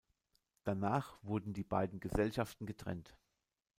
Danach wurden die beiden Gesellschaften getrennt.